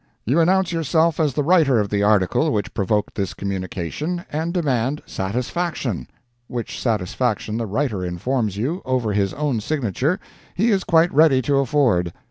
You announce yourself as the writer of the article which provoked this communication, and demand "satisfaction"—which satisfaction the writer informs you, over his own signature, he is quite ready to afford.